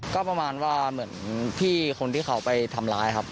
ก็ประมาณว่าเหมือนพี่คนที่เขาไปทำร้ายครับ